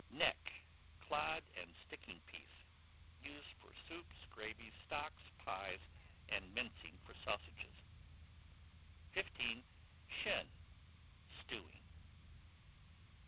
Neck, clod, and sticking piece, used for soups, gravies, stocks, pies, and mincing for sausages. 15. Shin, stewing.